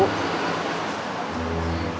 kamu bisa mencari